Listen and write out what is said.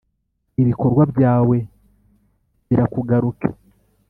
ibikorwa byawe birakugaruke!